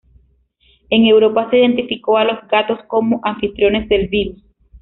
En Europa se identificó a los gatos como anfitriones del virus.